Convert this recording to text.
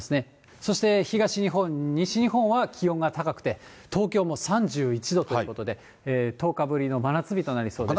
そして、東日本、西日本は気温が高くて、東京も３１度ということで、１０日ぶりの真夏日となりそうです。